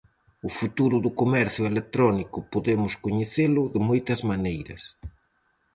O futuro do comercio electrónico podemos coñecelo de moitas maneiras.